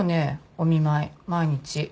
お見舞い毎日。